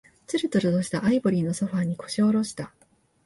つるつるとしたアイボリーのソファーに、腰を下ろした。